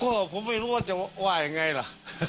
ก็ผมไม่รู้ว่าจะว่ายังไงล่ะ